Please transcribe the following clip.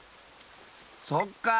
そっかあ。